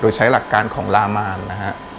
โดยใช้หลักการของลามานนะฮะ